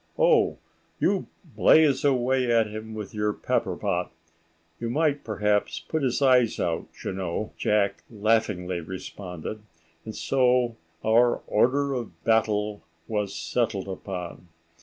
Oh, you blaze away at him with your pepperpot; you might perhaps put his eyes out, you know," Jack laughingly responded, and so our order of battle was settled upon.